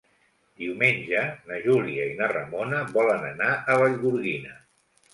Diumenge na Júlia i na Ramona volen anar a Vallgorguina.